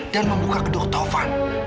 dan membuka kedoktofan